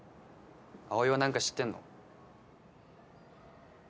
葵はなんか知ってんの？